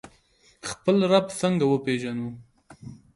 خپل رب څنګه وپیژنو؟